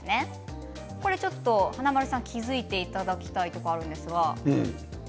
華丸さん気付いていただきたいところがあるんですが。